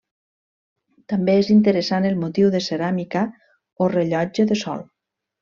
També és interessant el motiu de ceràmica o rellotge de sol.